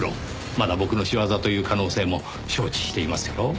まだ僕の仕業という可能性も承知していますよ。